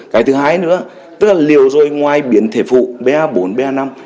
cái thứ hai nữa tức là liều rồi ngoài biến thể phụ ba bốn ba năm